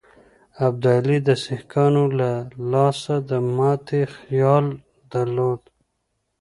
ابدالي د سیکهانو له لاسه د ماتي خیال درلود.